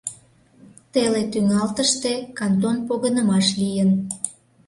Теле тӱҥалтыште кантон погынымаш лийын.